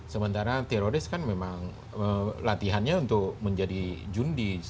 sementara teroris kan memang latihannya untuk menjadi jundi